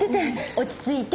落ち着いて。